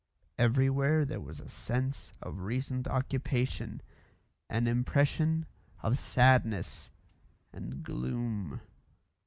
Everywhere there was a sense of recent occupation, an impression of sadness and gloom.